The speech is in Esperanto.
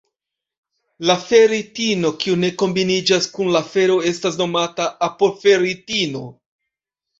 La ferritino kiu ne kombiniĝas kun la fero estas nomata apoferritino.